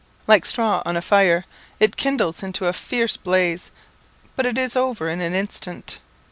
Like straw on a fire, it kindles into a fierce blaze, but it is over in an instant.